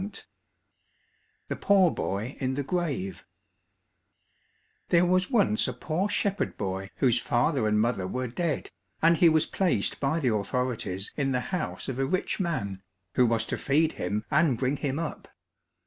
185 The Poor Boy in the Grave There was once a poor shepherd boy whose father and mother were dead, and he was placed by the authorities in the house of a rich man, who was to feed him and bring him up.